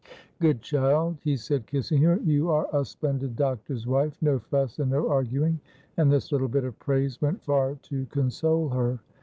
"Good child," he said, kissing her. "You are a splendid doctor's wife! No fuss and no arguing." And this little bit of praise went far to console her.